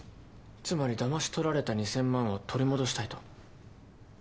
つまりだまし取られた２，０００万を取り戻したいと？